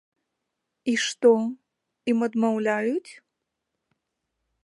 І што, ім адмаўляюць?